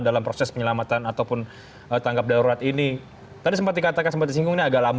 dalam proses penyelamatan ataupun tangkap darurat ini tadi sempat dikatakan sempat singgungnya agak